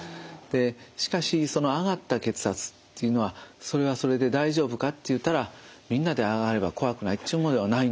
しかしその上がった血圧というのはそれはそれで大丈夫かって言うたらみんなで上がれば怖くないっちゅうものではないんです。